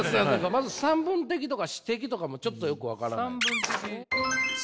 まず「散文的」とか「詩的」とかもちょっとよく分からない。